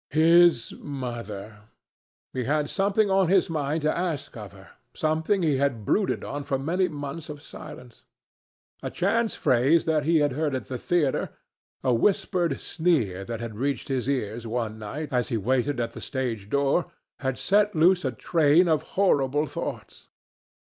His mother! He had something on his mind to ask of her, something that he had brooded on for many months of silence. A chance phrase that he had heard at the theatre, a whispered sneer that had reached his ears one night as he waited at the stage door, had set loose a train of horrible thoughts.